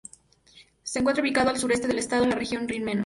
Se encuentra ubicado al suroeste del estado, en la región Rin-Meno.